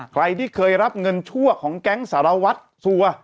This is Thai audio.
ใครที่เคยรับเงินชั่วของแก๊งสารวัตรสัว